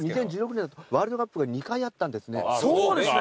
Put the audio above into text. そうですね。